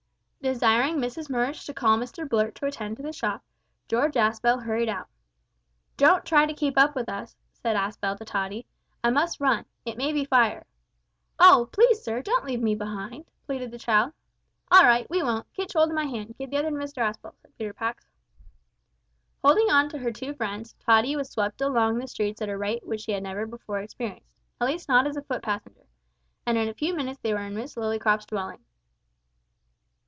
Desiring Mrs Murridge to call Mr Blurt to attend to the shop, George Aspel hurried out. "Don't try to keep up with us," said Aspel to Tottie; "I must run. It may be fire!" "Oh! please, sir, don't leave me behind," pleaded the child. "All right we won't; kitch hold of my hand; give the other to Mr Aspel," said Peter Pax. Holding on to her two friends, Tottie was swept along the streets at a rate which she had never before experienced at least not as a foot passenger, and in a few minutes they were in Miss Lillycrop's dwelling.